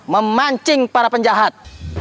memancing para penjahat